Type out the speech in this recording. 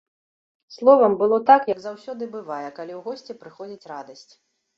Словам, было так, як заўсёды бывае, калі ў госці прыходзіць радасць.